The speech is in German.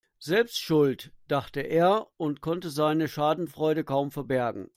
Selbst schuld, dachte er und konnte seine Schadenfreude kaum verbergen.